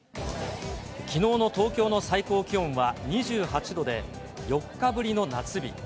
きのうの東京の最高気温は２８度で、４日ぶりの夏日。